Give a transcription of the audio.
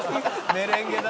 「『メレンゲ』だ」